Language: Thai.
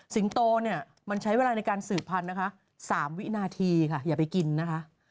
โตเนี่ยมันใช้เวลาในการสืบพันธุ์นะคะ๓วินาทีค่ะอย่าไปกินนะคะ